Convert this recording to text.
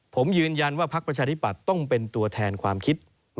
ผมยืนยันว่าพักประชาธิปัตย์ต้องเป็นตัวแทนความคิด